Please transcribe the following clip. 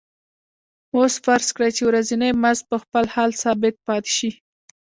اوس فرض کړئ چې ورځنی مزد په خپل حال ثابت پاتې شي